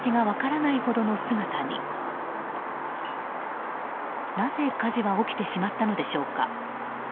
なぜ火事は起きてしまったのでしょうか。